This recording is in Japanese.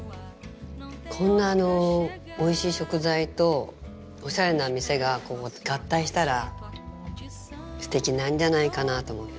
こんなおいしい食材とおしゃれな店が合体したらすてきなんじゃないかなと思って。